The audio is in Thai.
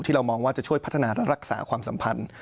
เรามองว่าจะช่วยพัฒนาและรักษาความสัมพันธ์